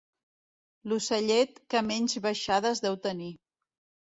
L'ocellet que menys baixades deu tenir.